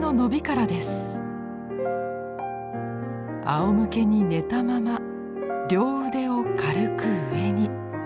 あおむけに寝たまま両腕を軽く上に。